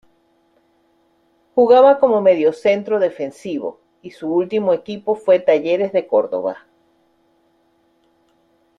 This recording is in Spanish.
Jugaba como mediocentro defensivo y su último equipo fue Talleres de Córdoba.